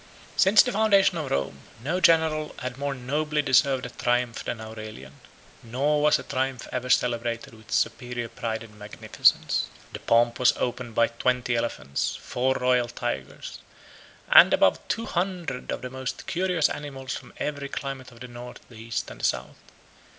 ] Since the foundation of Rome, no general had more nobly deserved a triumph than Aurelian; nor was a triumph ever celebrated with superior pride and magnificence. 77 The pomp was opened by twenty elephants, four royal tigers, and above two hundred of the most curious animals from every climate of the North, the East, and the South.